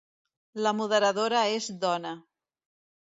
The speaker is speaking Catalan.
La moderadora es dóna.